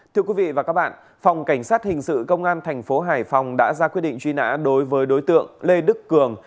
thưa quý vị và các bạn phòng cảnh sát hình sự công an thành phố hải phòng đã ra quyết định truy nã đối với đối tượng lê đức cường